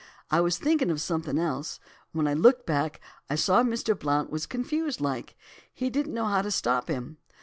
I was thinkin' of somethin' else; when I looked back I saw Mr. Blount was confused like, he didn't know how to stop him.